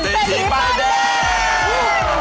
เศรษฐีป้าแดง